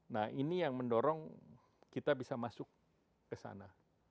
nah ini yang mendorong kita bisa masuk ke sana